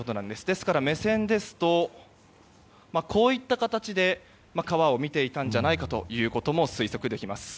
ですから目線ですとこういった形で川を見ていたんじゃないかということも推測できます。